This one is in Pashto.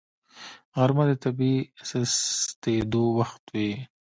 غرمه د طبیعي سستېدو وخت وي